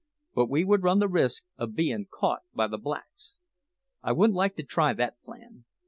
But we would run the risk o' bein' caught by the blacks. I wouldn't like to try that plan.